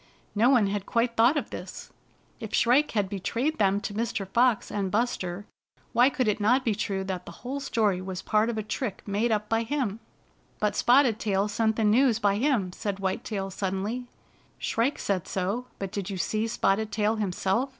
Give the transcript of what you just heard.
No one had quite thought of this. If Shrike had be trayed them to Mr. Fox and Buster, why could it not be true that the whole story was part of a trick made up by him? "But Spotted Tail sent the news by him," said White Tail suddenly. " Shrike said so, but did you see Spotted Tail himself?"